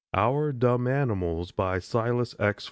OUR DUMB ANIMALS SILAS X.